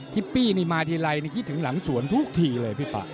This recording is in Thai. ปี้นี่มาทีไรนี่คิดถึงหลังสวนทุกทีเลยพี่ปะ